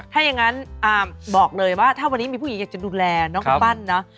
ถ้าอย่างนั้นอามบอกเลยว่าถ้าวันนี้มีผู้หญิงอยากจะดูแลน้องกำปั้นนะ